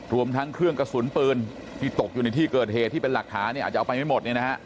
รวมทั้งเครื่องกระสุนปืนที่ตกอยู่ในที่เกิดเหตุที่เป็นหลักฐานเนี่ยอาจจะเอาไปไม่หมดเนี่ยนะฮะ